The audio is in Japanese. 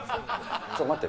ちょっと待って。